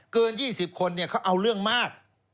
เกิน๒๐คนเขาเอาเรื่องมาก